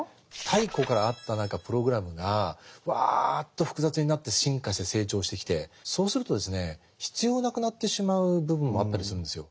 太古からあった何かプログラムがわっと複雑になって進化して成長してきてそうするとですね必要なくなってしまう部分もあったりするんですよ。